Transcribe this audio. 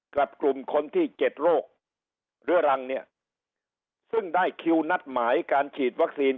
กลุ่มคนที่เจ็ดโรคเรื้อรังเนี่ยซึ่งได้คิวนัดหมายการฉีดวัคซีน